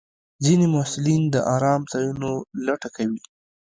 ځینې محصلین د ارام ځایونو لټه کوي.